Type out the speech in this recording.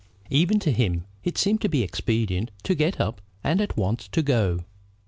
Even to him it seemed to be expedient to get up and at once to go.